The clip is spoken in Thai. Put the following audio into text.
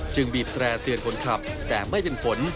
บีบแตร่เตือนคนขับแต่ไม่เป็นผล